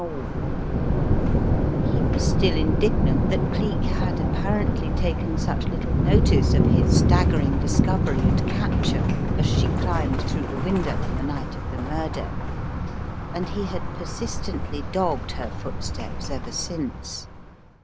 Dollops Takes a Hand 205 He was still indignant that Cleek had apparently taken such little notice of his staggering discovery and capture as she climbed through the window pn the night of the murder, and he had persistently dogged her footsteps ever since.